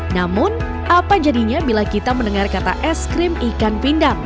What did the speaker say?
namun apa jadinya bila kita mendengar kata es krim ikan pindang